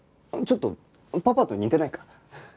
ちょっとパパと似てないか？